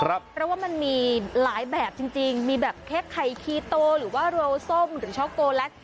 เพราะว่ามันมีหลายแบบจริงมีแบบเค้กไข่คีโตหรือว่าโรส้มหรือช็อกโกแลต